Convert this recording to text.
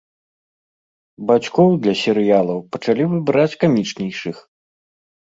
Бацькоў для серыялаў пачалі выбіраць камічнейшых.